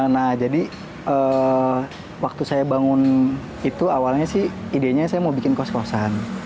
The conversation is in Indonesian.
nah jadi waktu saya bangun itu awalnya sih idenya saya mau bikin kos kosan